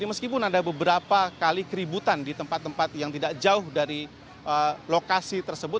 jadi meskipun ada beberapa kali keributan di tempat tempat yang tidak jauh dari lokasi tersebut